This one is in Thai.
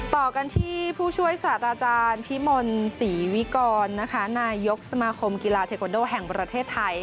ต่อกันที่ผู้ช่วยศาสตราจารย์พิมลศรีวิกรนายกสมาคมกีฬาเทควันโดแห่งประเทศไทย